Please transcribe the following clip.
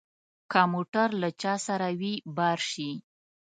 که موټر له چا سره وي بار شي.